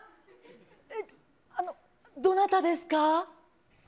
えっ、あの、どなたですか？